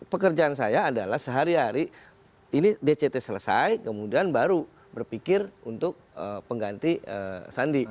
pekerjaan saya adalah sehari hari ini dct selesai kemudian baru berpikir untuk pengganti sandi